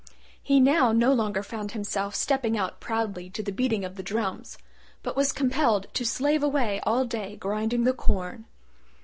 He now no longer found himself stepping out proudly to the beating of the drums, but was compelled to slave away all day grinding the corn.